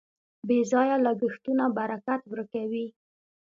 بې ځایه لګښتونه برکت ورکوي.